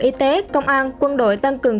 y tế công an quân đội tăng cường